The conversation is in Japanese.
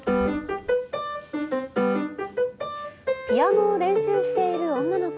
ピアノを練習している女の子。